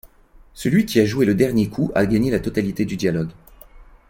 Celui qui a joué le dernier coup a gagné la totalité du dialogue.